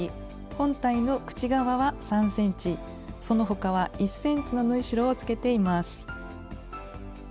本体の口側は３ｃｍその他は１ｃｍの縫い代をつけています。